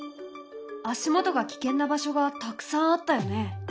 足元が危険な場所がたくさんあったよね。